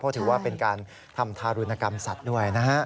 เพราะถือว่าเป็นการทำทารุณกรรมสัตว์ด้วยนะฮะ